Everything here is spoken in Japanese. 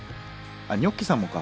あっニョッキさんもか。